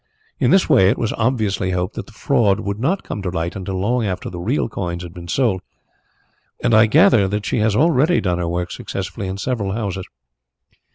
In this way it was obviously hoped that the fraud would not come to light until long after the real coins had been sold, and I gather that she has already done her work successfully in general houses.